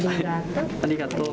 ありがとう。